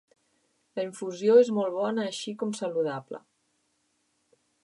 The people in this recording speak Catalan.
La infusió és molt bona així com saludable.